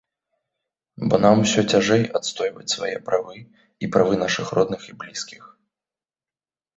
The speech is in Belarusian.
Бо нам ўся цяжэй адстойваць свае правы і правы нашых родных і блізкіх.